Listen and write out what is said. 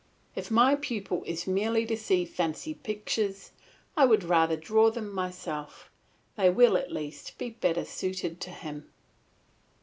If my pupil is merely to see fancy pictures, I would rather draw them myself; they will, at least, be better suited to him.